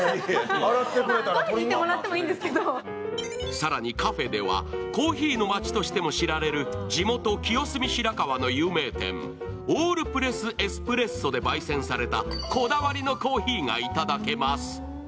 更に、カフェではコーヒーの街としても知られる地元・清澄白河の有名店、オールプレス・エスプレッソでばい煎されたこだわりのコーヒーがいただけます。